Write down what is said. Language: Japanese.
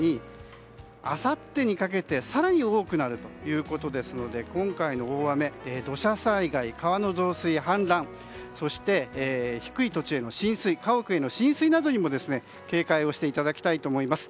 あさってにかけて更に多くなるということですので今回の大雨土砂災害、川の増水や氾濫そして、低い土地への浸水家屋などへの浸水にも警戒をしていただきたいと思います。